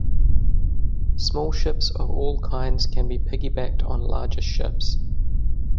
Small ships of all kinds can be piggybacked on larger ships.